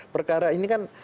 perkara ini kan